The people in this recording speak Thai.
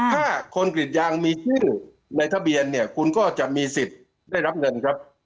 ถ้าคนกรีดยางมีชื่อในทะเบียนเนี่ยคุณก็จะมีสิทธิ์ได้รับเงินครับ